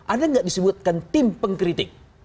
ada yang tidak disebutkan tim pengkritik